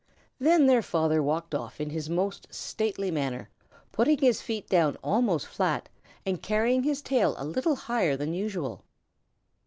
Then their father walked off in his most stately manner, putting his feet down almost flat, and carrying his tail a little higher than usual.